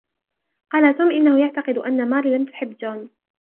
قال توم إنه يعتقد أن ماري لم تحب جون.